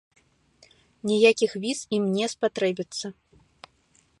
Ніякіх віз ім не спатрэбіцца.